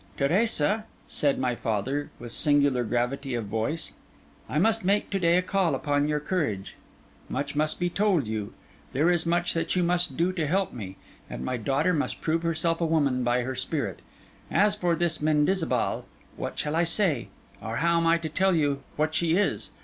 'Teresa,' said my father, with singular gravity of voice, 'I must make to day a call upon your courage; much must be told you, there is much that you must do to help me; and my daughter must prove herself a woman by her spirit. As for this Mendizabal, what shall I say? or how am I to tell you what she is?